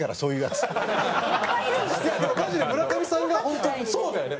マジで村上さんが本当そうだよね？